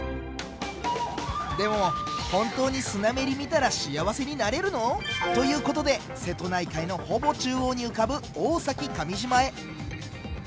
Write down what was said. でも本当にスナメリ見たら幸せになれるの？ということで瀬戸内海のほぼ中央に浮かぶ大崎上島へ。